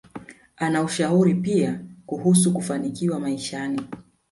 Ana ushauri pia kuhusu kufanikiwa maishani